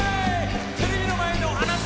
テレビの前のあなた！